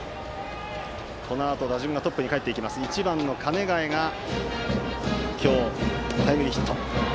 このあと打順はトップにかえって１番の鐘ヶ江は今日、タイムリーヒット。